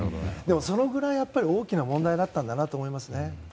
それくらい大きな問題だったと思いますね。